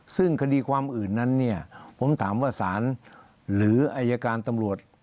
ซึ่งคดีความอื่นนั้นเนี่ยผมถามว่าศาลหรืออายการตำรวจ